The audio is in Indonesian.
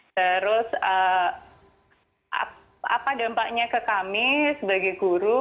terus apa dampaknya ke kami sebagai guru